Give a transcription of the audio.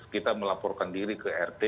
kita melaporkan diri ke rt